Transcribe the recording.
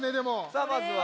さあまずは。